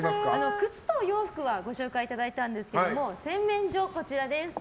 靴とお洋服はご紹介いただいたんですけど洗面所、こちらです。